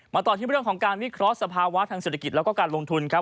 ต่อที่เรื่องของการวิเคราะห์สภาวะทางเศรษฐกิจแล้วก็การลงทุนครับ